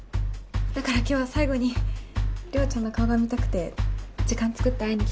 だから今日は最後に涼ちゃんの顔が見たくて時間つくって会いに来たんだ。